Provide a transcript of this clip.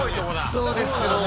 そうですよね。